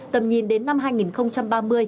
tầm nhìn đến năm hai nghìn ba mươi